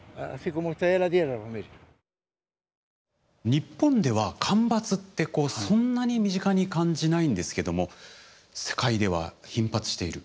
日本では干ばつってそんなに身近に感じないんですけども世界では頻発している。